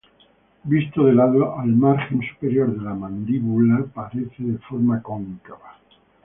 Visto de lado, el margen superior de la mandíbula parece de forma cóncava.